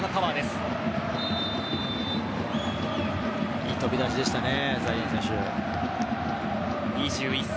いい飛び出しでしたね２１歳。